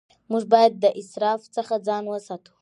موږ باید د اسراف څخه ځان وساتو